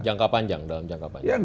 jangka panjang dalam jangka panjang